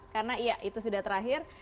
karena iya itu sudah terakhir